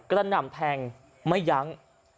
ก็นำแทงไม่ย๊ัง